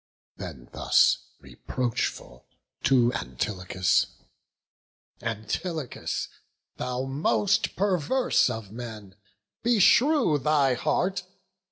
Then thus, reproachful, to Antilochus: "Antilochus, thou most perverse of men! Beshrew thy heart!